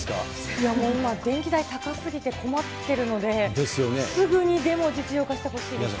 いやもう今、電気代高すぎて困ってるので、すぐにでも実用化してほしいです。